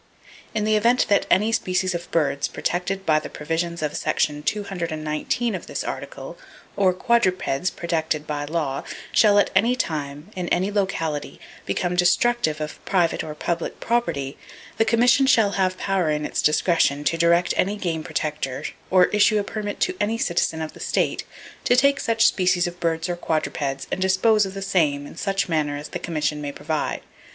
In the event that any species of birds protected by the provisions of section two hundred and nineteen of this article, or quadrupeds protected by law, shall at any time, in any locality, become destructive of private or public property, the commission shall have power in its discretion to direct any game protector, or issue a permit to any citizen of the state, to take such species of birds or quadrupeds and dispose of the same in such manner as the commission may provide.